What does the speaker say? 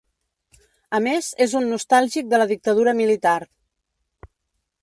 A més, és un nostàlgic de la dictadura militar.